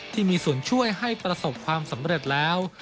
ที่มีส่วนช่วยให้ประสบความสำเร็จแล้ว